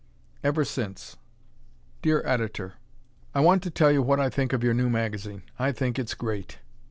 "Ever Since" Dear Editor: I want to tell you what I think of your new magazine. I think it's great.